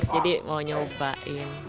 jadi mau nyobain